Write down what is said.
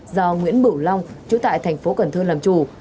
do nguyễn bửu long chú tại thành phố cần thơ làm chủ